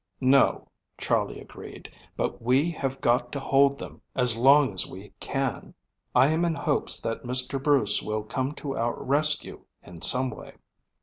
"No," Charley agreed, "but we have got to hold them as long as we can. I am in hopes that Mr. Bruce will come to our rescue in some way.